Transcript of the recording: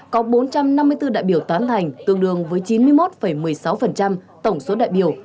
có bốn trăm năm mươi bốn đại biểu tán thành tương đương với chín mươi một một mươi sáu tổng số đại biểu